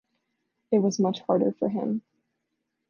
It was much harder for him.